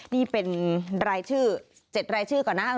นี่เป็น๗รายชื่อก่อนนะ